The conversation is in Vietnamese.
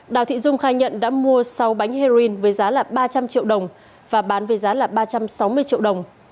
đào thị dung khai nhận đã mua sáu bánh heroin với giá ba trăm linh triệu đồng và bán với giá là ba trăm sáu mươi triệu đồng